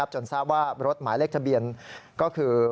จนทราบว่ารถหมายเลขทะเบียนก็คือ